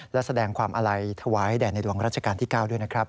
และแสดงความอาลัยถวายแด่ในหลวงรัชกาลที่๙ด้วยนะครับ